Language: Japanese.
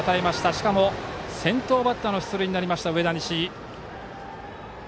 しかも、先頭バッターの出塁になりました、上田西。